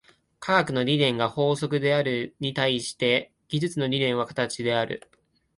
科学の理念が法則であるに対して、技術の理念は形である。